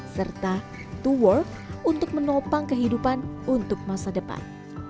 serta to work untuk menopang kehidupan untuk masa depan